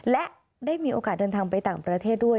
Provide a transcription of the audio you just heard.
และได้มีโอกาสเดินทางไปต่างประเทศด้วย